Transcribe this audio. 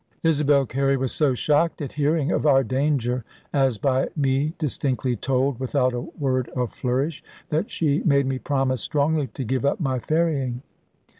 Isabel Carey was so shocked at hearing of our danger (as by me distinctly told without a word of flourish), that she made me promise strongly to give up my ferrying.